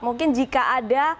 mungkin jika ada